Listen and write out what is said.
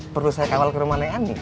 perlu saya kawal ke rumah neng ani